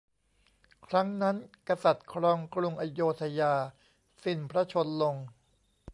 ครั้งนั้นกษัตริย์ครองกรุงอโยธยาสิ้นพระชนม์ลง